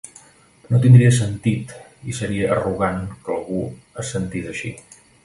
No tindria sentit i seria arrogant que algú es sentís així.